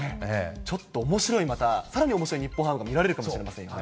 ちょっとおもしろい、またさらにおもしろい日本ハムが見られるかもしれませんよね。